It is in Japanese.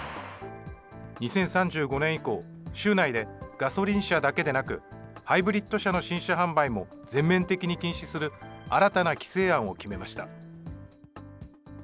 ２０３５年以降、州内でガソリン車だけでなく、ハイブリッド車の新車販売も全面的に禁止する新たな規制案を決めました。